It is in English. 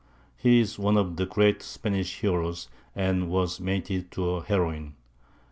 He is one of the great Spanish heroes, and was mated to a heroine.